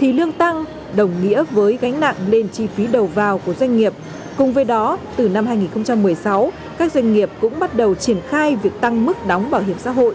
trong năm hai nghìn một mươi sáu các doanh nghiệp cũng bắt đầu triển khai việc tăng mức đóng bảo hiểm xã hội